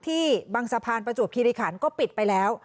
ที่บังสภานประจวบคี่ไรคันก็ปิดไปแล้ว